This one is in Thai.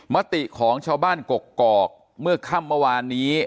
มติของชาวบ้านกกอกเมื่อค่ำเมื่อวานนี้